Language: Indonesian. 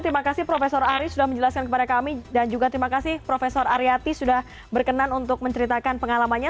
terima kasih profesor ari sudah menjelaskan kepada kami dan juga terima kasih profesor ariyati sudah berkenan untuk menceritakan pengalamannya